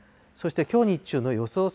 そしてきょう日中の予想